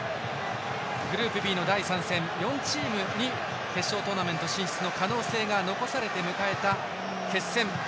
グループＢの第３戦、４チームに決勝トーナメント進出の可能性が残されて、迎えた決戦。